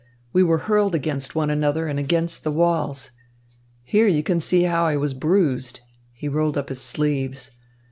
We were hurled against one another and against the walls. Here you can see how I was bruised." He rolled up his sleeves.